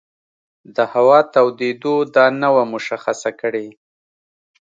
د هوا تودېدو دا نه وه مشخصه کړې.